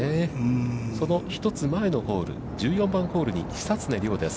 その１つ前のホール、１４番ホールに久常涼です。